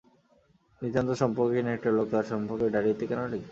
নিতান্ত সম্পর্কহীন একটা লোক তাঁর সম্পর্কে ডাইরিতে কেন লিখবে?